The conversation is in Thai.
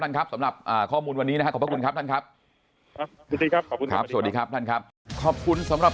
ตั้งแต่เมื่อวานนะครับ๒๓ตุลานะครับ